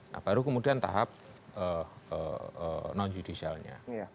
nah baru kemudian tahap non judicialnya